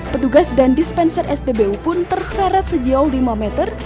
petugas dan dispenser spbu pun terseret sejauh lima meter